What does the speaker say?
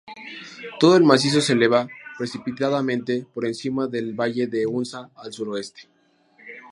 Todo el macizo se eleva precipitadamente por encima del valle de Hunza, al sureste.